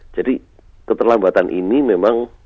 jadi keterlambatan ini memang